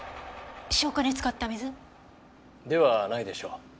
消火に使った水？ではないでしょう。